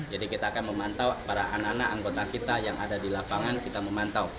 jadi kita akan memantau para anak anak anggota kita yang ada di lapangan kita memantau